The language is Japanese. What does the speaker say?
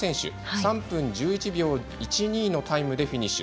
３分１１秒１２のタイムでフィニッシュ。